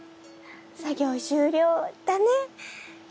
作業終了だね！